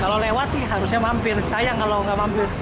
kalau lewat sih harusnya mampir sayang kalau nggak mampir